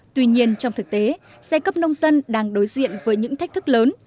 tuy nhiên trong thực tế giai cấp nông dân đang đối diện với những thách thức lớn